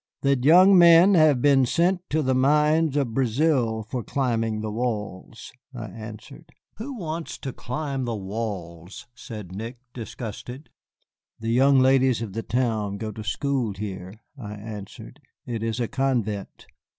"That young men have been sent to the mines of Brazil for climbing the walls," I answered. "Who wants to climb the walls?" said Nick, disgusted. "The young ladies of the town go to school here," I answered; "it is a convent."